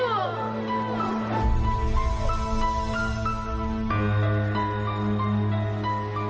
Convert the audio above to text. มีความรู้สึกว่ามีความรู้สึกว่า